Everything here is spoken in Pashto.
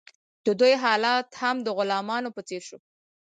د دوی حالت هم د غلامانو په څیر شو.